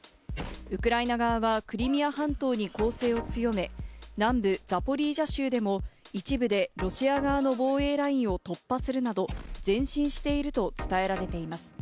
ウクライナ側はクリミア半島に攻勢を強め、南部ザポリージャ州でも、一部でロシア側の防衛ラインを突破するなど前進していると伝えられています。